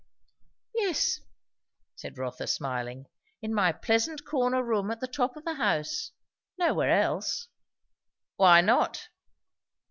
"Yes," said Rotha smiling; "in my pleasant corner room at the top of the house. Nowhere else." "Why not?"